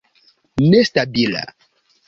nestabila